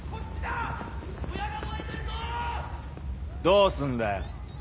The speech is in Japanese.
・どうすんだよ？